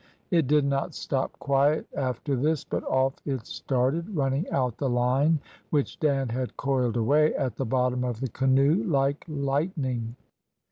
It did not stop quiet after this, but off it started, running out the line, which Dan had coiled away at the bottom of the canoe, like lightning.